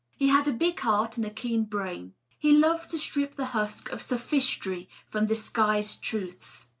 He had a big heart and a keen brain. He loved to strip the husk of sophistry from disguised truths.